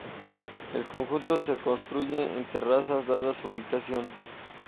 El conjunto se construye en terrazas, dada su ubicación.